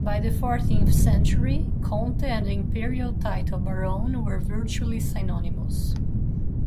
By the fourteenth century, "conte" and the Imperial title "barone" were virtually synonymous.